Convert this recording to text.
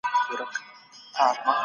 روښانه فکر ژوند نه زیانمنوي.